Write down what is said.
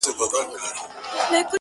• دى وايي دا.